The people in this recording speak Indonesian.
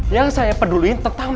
yang saya peduli tentang